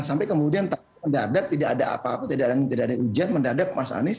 sampai kemudian mendadak tidak ada apa apa tidak ada ujian mendadak mas anies